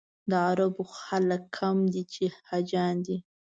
د عربو خلک کم دي چې حاجیان دي.